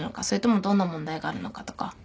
それともどんな問題があるのかとか。